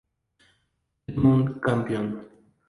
Edmund Campion.